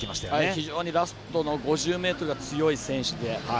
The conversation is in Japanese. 非常にラストの５０ｍが強い選手で。